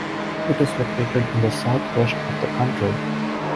It is located in the southwest of the country.